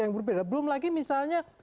yang berbeda belum lagi misalnya